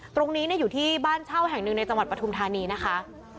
ตรงนี้อยู่ที่บ้านเช่าแห่งหนึ่งในจังหวัดปฐุมธานีนะคะ